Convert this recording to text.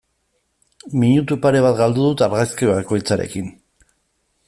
Minutu pare bat galdu dut argazki bakoitzarekin.